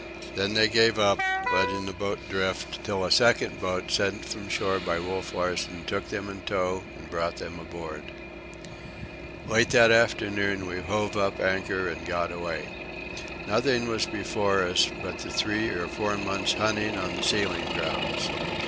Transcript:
Then they gave up, letting the boat drift till a second boat, sent from the shore by Wolf Larsen, took them in tow and brought them aboard. Late that afternoon we hove up anchor and got away. Nothing was before us but the three or four months' hunting on the sealing grounds.